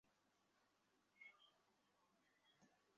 আপনি তাদের যাকে ইচ্ছা বেছে নিন।